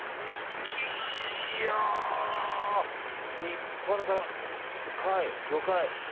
いやー、立派な魚貝、魚介。